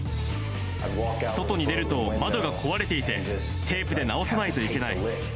外に出ると窓が壊れていて、テープで直さないといけない。